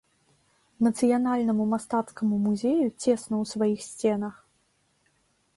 Нацыянальнаму мастацкаму музею цесна ў сваіх сценах.